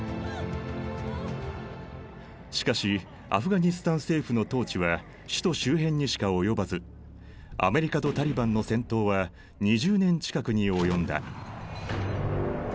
しかしアフガニスタン政府の統治は首都周辺にしか及ばずアメリカとタリバンの戦闘は２０年近くに及んだ。